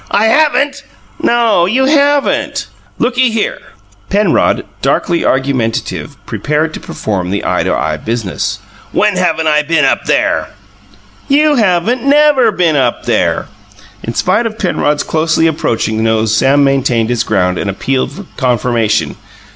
"I HAVEN'T?" "No, you haven't!" "Looky here!" Penrod, darkly argumentative, prepared to perform the eye to eye business. "When haven't I been up there?" "You haven't NEVER been up there!" In spite of Penrod's closely approaching nose Sam maintained his ground, and appealed for confirmation.